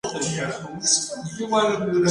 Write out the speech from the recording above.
Viajó a Daguestán, estuvo en Tiflis, Bakú.